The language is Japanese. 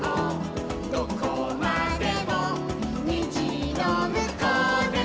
「どこまでもにじのむこうでも」